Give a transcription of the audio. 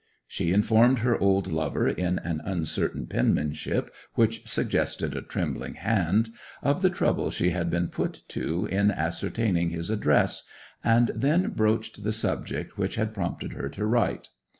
She informed her old lover, in an uncertain penmanship which suggested a trembling hand, of the trouble she had been put to in ascertaining his address, and then broached the subject which had prompted her to write.